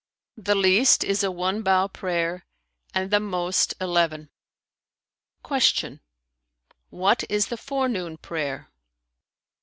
"The least is a one bow prayer and the most eleven." Q "What is the forenoon prayer?"